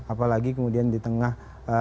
apalagi kemudian di tengah